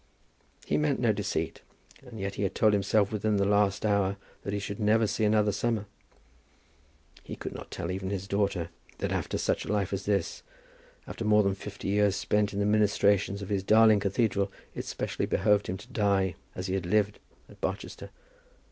He meant no deceit, and yet he had told himself within the last hour that he should never see another summer. He could not tell even his daughter that after such a life as this, after more than fifty years spent in the ministrations of his darling cathedral, it specially behoved him to die, as he had lived, at Barchester.